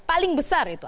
paling besar itu